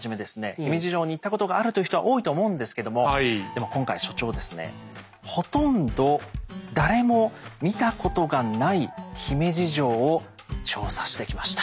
姫路城に行ったことがあるという人は多いと思うんですけどもでも今回所長ですねほとんど誰も見たことがない姫路城を調査してきました。